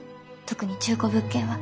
特に中古物件は。